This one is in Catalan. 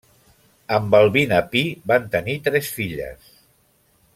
Amb Balbina Pi van tenir tres filles: